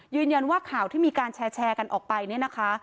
ยืนยันว่าข่าวที่มีการแชร์กันออกไปนี่นะคะ